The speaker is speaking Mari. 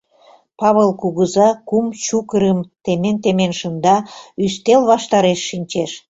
Павыл кугыза кум чукырым темен-темен шында, ӱстел ваштареш шинчеш.